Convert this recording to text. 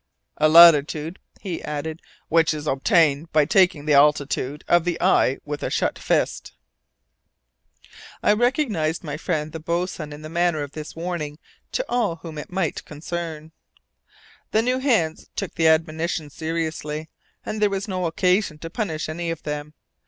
"A latitude," he added, "which is obtained by taking the altitude of the eye with a shut fist." I recognized my friend the boatswain in the manner of this warning to all whom it might concern. The new hands took the admonition seriously, and there was no occasion to punish any of them.